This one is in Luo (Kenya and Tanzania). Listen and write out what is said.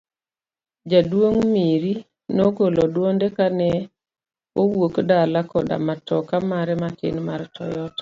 Jaduong' Miri nogolo dwonde kane owuok dalane koda matoka mare matin mar Toyota.